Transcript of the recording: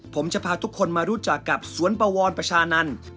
ผมจะพาทุกคนมารู้จักกับสวนปวรประชานันทร์